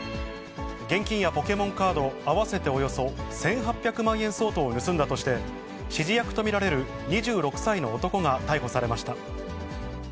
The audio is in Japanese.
現金やポケモンカード合わせておよそ１８００万円相当を盗んだとして、指示役と見られる２６歳の男が逮捕されました。